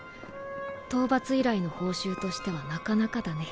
討伐依頼の報酬としてはなかなかだね